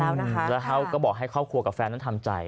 แล้วเขาก็บอกให้ครอบครัวกับแฟนนั้นทำใจ